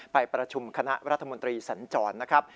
ไปประชุมคณะรัฐมนตรีสัญจรนะครับ